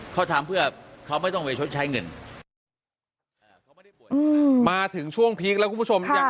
เขาทำเพื่อเขาไม่ต้องไปชดใช้เงินมาถึงช่วงพีคแล้วคุณผู้ชมยัง